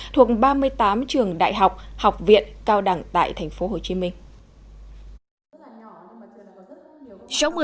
thuộc ba mươi tám trường đại học học viện cao đẳng tại tp hcm